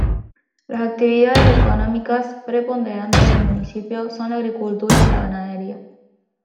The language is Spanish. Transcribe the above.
Las actividades económicas preponderantes del municipio son la agricultura y la ganadería.